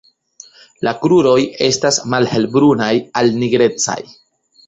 La kruroj estas malhelbrunaj al nigrecaj.